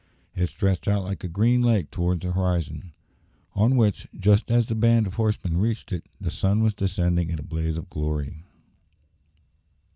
It stretched out like a green lake towards the horizon, on which, just as the band of horsemen reached it, the sun was descending in a blaze of glory.